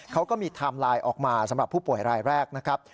เขาก็มีไทม์ไลน์ออกมาสำหรับผู้ป่วยรายแรกนะครับ